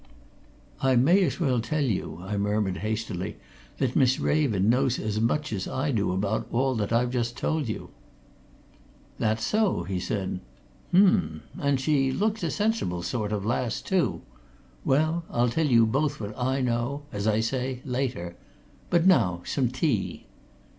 "I may as well tell you," I murmured hastily, "that Miss Raven knows as much as I do about all that I've just told you." "That so?" he said. "Um! And she looks a sensible sort of lass, too well, I'll tell you both what I know as I say, later. But now some tea!"